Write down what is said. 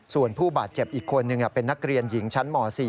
ส่วนผู้บาดเจ็บอีกคนนึงเป็นนักเรียนหญิงชั้นหมอ๔